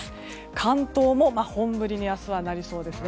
関東も本降りになりそうですね。